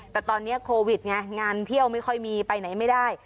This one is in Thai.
แต่ตอนนี้โควิดไงงานเที่ยวไม่ค่อยมีไปไหนไม่ได้